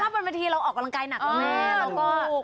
เพราะว่าบางทีเราออกกำลังกายหนักกว่าแม่